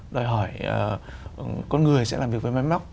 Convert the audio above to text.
đòi hỏi con người sẽ làm việc với máy móc